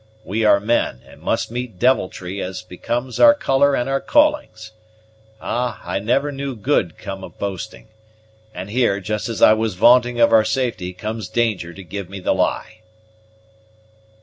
We are men, and must meet devilry as becomes our color and our callings. Ah, I never knew good come of boasting! And here, just as I was vaunting of our safety, comes danger to give me the lie."